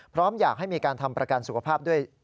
พร้อมอยากให้มีการทำประกันสุขภาพด้วย